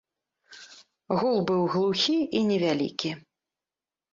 Гул быў глухі і невялікі.